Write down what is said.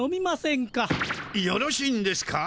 よろしいんですか？